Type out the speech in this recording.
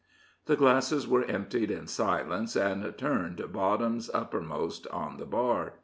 The glasses were emptied in silence, and turned bottoms uppermost on the bar.